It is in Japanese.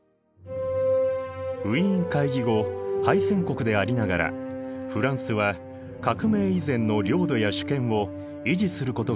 ウィーン会議後敗戦国でありながらフランスは革命以前の領土や主権を維持することができた。